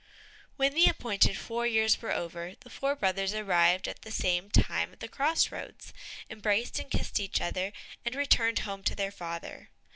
When the appointed four years were over, the four brothers arrived at the same time at the cross roads, embraced and kissed each other, and returned home to their father.